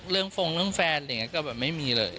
เรื่องฟงเรื่องแฟนไงก็ไม่มีเลย